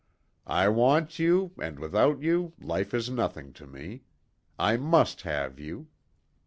"I want you, and without you life is nothing to me. I must have you!"